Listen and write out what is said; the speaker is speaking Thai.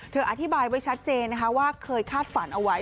อธิบายไว้ชัดเจนนะคะว่าเคยคาดฝันเอาไว้